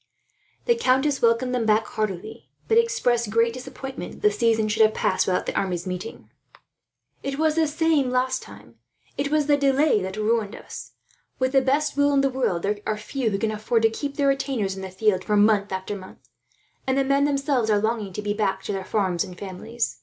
The countess welcomed them back heartily, but expressed great disappointment that the season should have passed without the armies meeting. "It was the same last time. It was the delay that ruined us. With the best will in the world, there are few who can afford to keep their retainers in the field for month after month; and the men, themselves, are longing to be back to their farms and families.